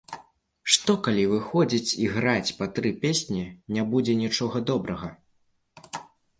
Што калі выходзіць і граць па тры песні, не будзе нічога добрага.